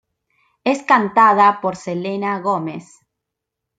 Es cantada por Selena Gomez.